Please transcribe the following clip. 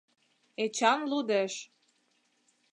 Эчан лудеш.